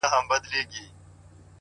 نه خوړلي نه لیدلي پوروړي-